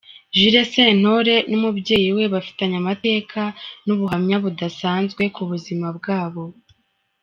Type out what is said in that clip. Jules Sentore n'umubyeyi we bafitanye amateka n'ubuhamya budasanzwe ku buzima bwabo.